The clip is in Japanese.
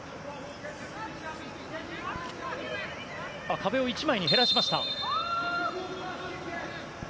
壁を１枚に減らしました。